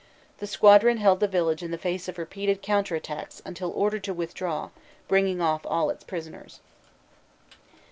The squadron held the village in the face of repeated counter attacks until ordered to withdraw, bringing off all its prisoners.